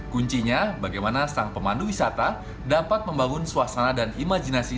kuncinya bagaimana sang pemandu wisata dapat membangun suasana dan imajinasi